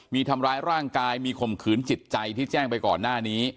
มีทำร้ายร่างกายมีข่มขืนจิตใจที่แจ้งไปก่อนหน้านี้